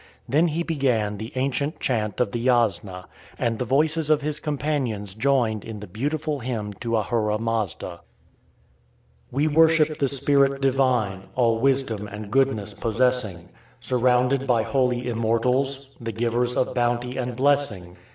Then he began the ancient chant of the Yasna, and the voices of his companions joined in the beautiful hymn to Ahura Mazda: We worship the Spirit Divine, all wisdom and goodness possessing, Surrounded by Holy Immortals, the givers of bounty and blessing.